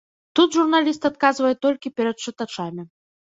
Тут журналіст адказвае толькі перад чытачамі.